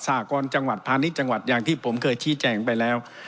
หกรจังหวัดพาณิชย์จังหวัดอย่างที่ผมเคยชี้แจงไปแล้ว